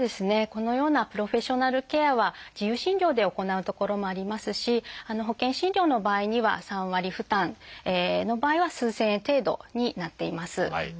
このようなプロフェッショナルケアは自由診療で行う所もありますし保険診療の場合には３割負担の場合は数千円程度になっています。